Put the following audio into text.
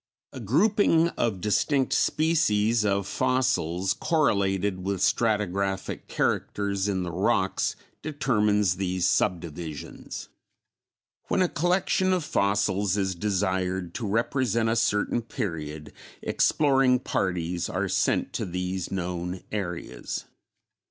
A grouping of distinct species of fossils correlated with stratigraphic characters in the rocks determines these subdivisions. When a collection of fossils is desired to represent a certain period, exploring parties are sent to these known areas.